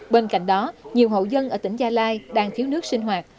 bên cạnh đó nhiều hộ dân ở tỉnh gia lai đang thiếu nước sinh hoạt